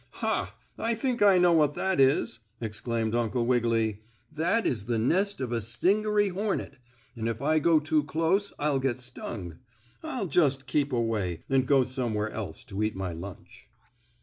"Ha! I think I know what that is!" exclaimed Uncle Wiggily. "That is the nest of a stingery hornet, and if I go too close I'll get stung. I'll just keep away, and go somewhere else to eat my lunch."